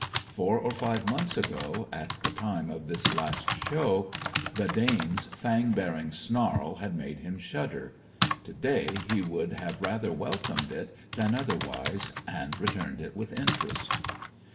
Four or five months ago, at the time of this last show, the Dane's fang bearing snarl had made him shudder. To day he would have rather welcomed it than otherwise, and returned it with interest.